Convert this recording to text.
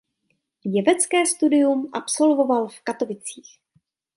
Pěvecké studium absolvoval v Katovicích.